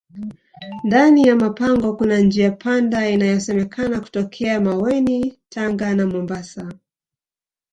ndani ya mapango Kuna njia panda inayosemekana kutokea maweni tanga na mombasa